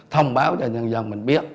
thông báo cho dân dân mình biết